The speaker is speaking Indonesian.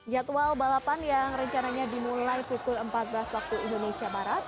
jadwal balapan yang rencananya dimulai pukul empat belas waktu indonesia barat